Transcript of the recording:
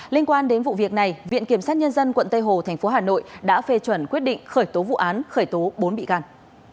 liên quan đến vụ việc này viện kiểm sát nhân dân quận tây hồ thành phố hà nội đã phê chuẩn quyết định khởi tố vụ án khởi tố bốn bị gạt